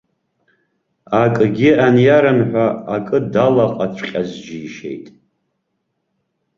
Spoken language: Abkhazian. Акгьы аниарымҳәа, акы далаҟаҵәҟьаз џьишьеит.